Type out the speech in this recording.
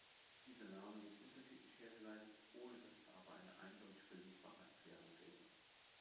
Dieser Name wird unterschiedlich hergeleitet, ohne dass es aber ein eindeutig belegbare Erklärung gäbe.